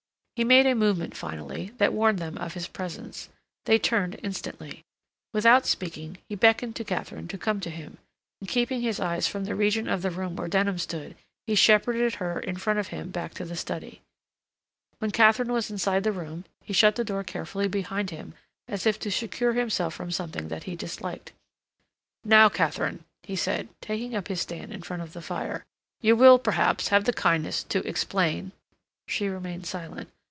He made a movement finally that warned them of his presence; they turned instantly. Without speaking, he beckoned to Katharine to come to him, and, keeping his eyes from the region of the room where Denham stood, he shepherded her in front of him back to the study. When Katharine was inside the room he shut the study door carefully behind him as if to secure himself from something that he disliked. "Now, Katharine," he said, taking up his stand in front of the fire, "you will, perhaps, have the kindness to explain—" She remained silent.